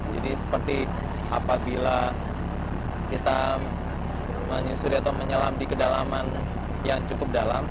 jadi seperti apabila kita menyusuri atau menyelam di kedalaman yang cukup dalam